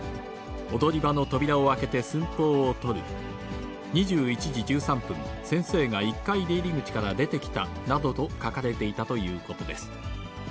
踊り場の扉を開けて寸法を取る、２１時１３分、先生が１階出入り口から出てきたなどと書かれていたということです。